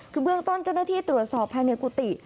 คือเบื้องต้นเจ้าหน้าที่ตรวจสอบภายในกุฏิ